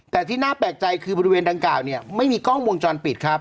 แต่ที่น่าแปลกใจคือบริเวณดังกล่าวเนี่ยไม่มีกล้องวงจรปิดครับ